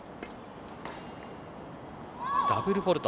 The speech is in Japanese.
ダブルフォールト。